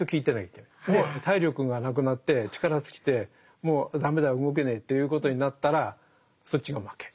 体力がなくなって力尽きてもう駄目だ動けねえということになったらそっちが負け。